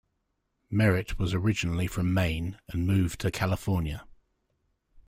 Merritt was originally from Maine and moved to California.